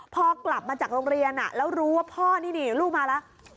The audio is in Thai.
พอกลับมาจากโรงเรียนแล้วรู้ว่าพ่อนี่ลูกมาแล้ว